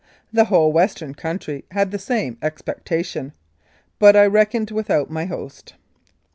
The whole Western country had the same expectation, but I reckoned without my host.